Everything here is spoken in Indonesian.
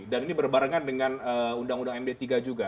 dan ini berbarengan dengan undang undang md tiga juga